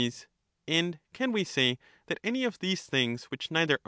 635 Soc, And can we say that any of these things which neither PhiUbus.